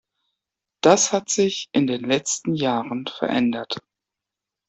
Das hat sich in den letzten Jahren verändert.